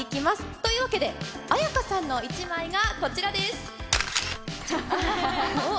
というわけで、ＡＹＡＫＡさんの一枚がこちらです。